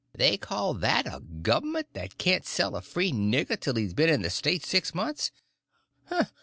They call that a govment that can't sell a free nigger till he's been in the State six months.